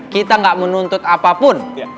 kita gak menuntut apapun